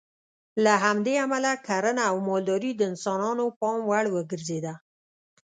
له همدې امله کرنه او مالداري د انسانانو پام وړ وګرځېده.